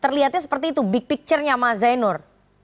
terlihatnya seperti itu big picture nya mas zainur